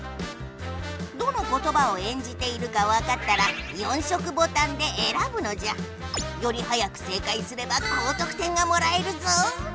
どのことばを演じているかわかったら４色ボタンでえらぶのじゃ！より早く正解すれば高とく点がもらえるぞ！